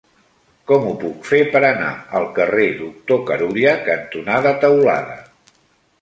Com ho puc fer per anar al carrer Doctor Carulla cantonada Teulada?